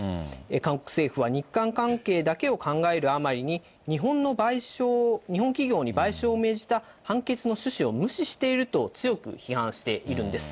韓国政府は、日韓関係だけを考えるあまりに、日本の賠償、日本企業に賠償を命じた判決の趣旨を無視していると、強く批判しているんです。